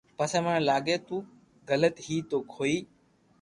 پسي مني لاگي تو غلط ھي تو ھوئي